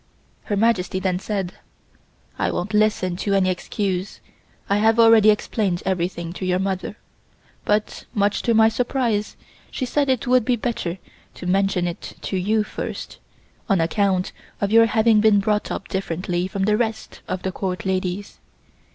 Her Majesty then said: "I won't listen to any excuse. I have already explained everything to your mother, but much to my surprise she said it would be better to mention it to you first, on account of your having been brought up differently from the rest of the Court ladies.